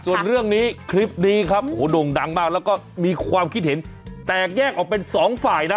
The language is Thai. ส่วนเรื่องนี้คลิปนี้ครับโอ้โหโด่งดังมากแล้วก็มีความคิดเห็นแตกแยกออกเป็นสองฝ่ายนะ